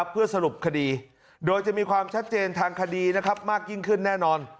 เพื่อสรุปคดีโดยจะมีความชัดเจนทางคดีมากยิ่งขึ้นแน่นอน